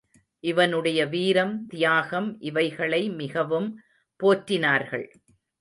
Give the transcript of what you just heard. அவனுடைய வீரம் தியாகம் இவைகளை மிகவும் போற்றினார்கள்.